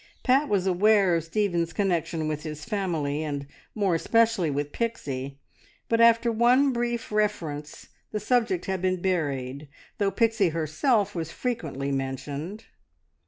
Pat was aware of Stephen's connection with his family, and more especially with Pixie, but after one brief reference the subject had been buried, though Pixie herself was frequently mentioned.